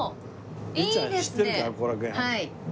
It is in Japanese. はい。